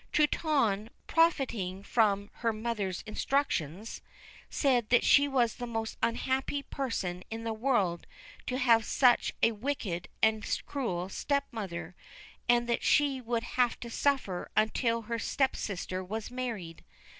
Truitonne, profiting by her mother's instructions, said that she was the most unhappy person in the world to have such a wicked and cruel stepmother, and that she would have to suffer until her stepsister was married.